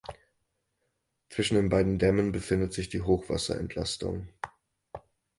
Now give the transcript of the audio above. Zwischen den beiden Dämmen befindet sich die Hochwasserentlastung.